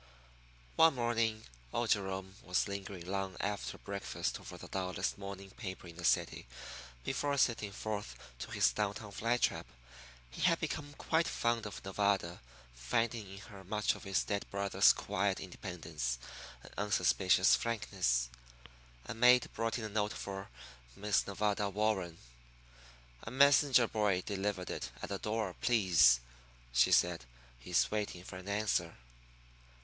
One morning old Jerome was lingering long after breakfast over the dullest morning paper in the city before setting forth to his down town fly trap. He had become quite fond of Nevada, finding in her much of his dead brother's quiet independence and unsuspicious frankness. A maid brought in a note for Miss Nevada Warren. "A messenger boy delivered it at the door, please," she said. "He's waiting for an answer."